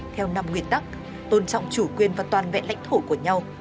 theo năm nguyên tắc tôn trọng chủ quyền và toàn vẹn lãnh thổ của nhau